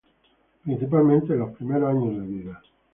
Principalmente en los primeros años de vida.